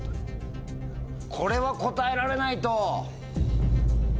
これは答えられないと。